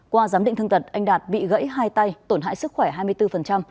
qua giám định thương tật anh đạt bị gãy hai tay tổn hại sức khỏe hai mươi bốn